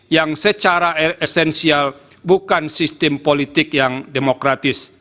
yang secara esensial bukan sistem politik yang demokratis